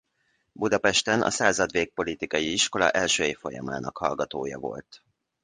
Budapesten a Századvég Politikai Iskola első évfolyamának hallgatója volt.